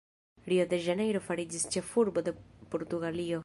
Rio-de-Ĵanejro fariĝis ĉefurbo de Portugalio.